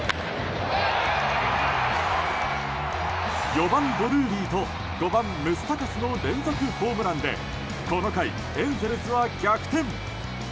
４番ドルーリーと５番ムスタカスの連続ホームランでこの回、エンゼルスは逆転。